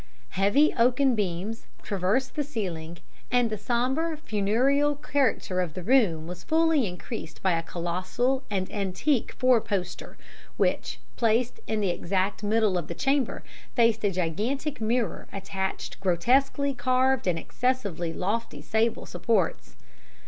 "Heavy oaken beams traversed the ceiling, and the sombre, funereal character of the room was further increased by a colossal and antique four poster which, placed in the exact middle of the chamber, faced a gigantic mirror attached to grotesquely carved and excessively lofty sable supports.